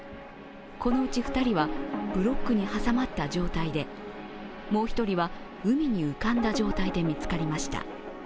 このうち２人はブロックに挟まった状態で、もう１人は海に浮かんだ状態で見つかりました。